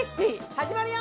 始まるよ！